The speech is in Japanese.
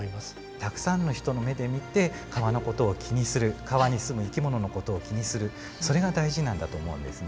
たくさんの人の目で見て川の事を気にする川に住む生き物の事を気にするそれが大事なんだと思うんですね。